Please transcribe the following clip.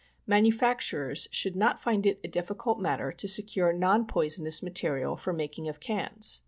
Manufacturers should not find it a difficult matter to secure non poisonous material for making of cans.